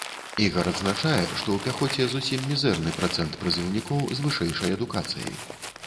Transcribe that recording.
Ігар адзначае, што ў пяхоце зусім мізэрны працэнт прызыўнікоў з вышэйшай адукацыяй.